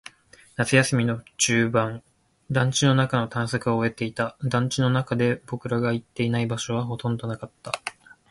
夏休みも中盤。団地の中の探索は終えていた。団地の中で僕らが行っていない場所はほとんどなかった。